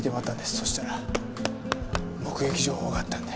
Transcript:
そしたら目撃情報があったんで。